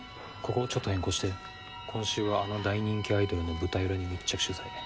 ここちょっと変更して今週はあの大人気アイドルの舞台裏に密着取材。